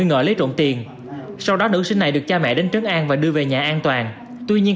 giam trộn tiền sau đó nữ sinh này được cha mẹ đến trấn an và đưa về nhà an toàn tuy nhiên